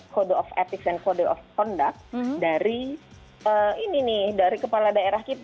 code of epic dan kode of conduct dari ini nih dari kepala daerah kita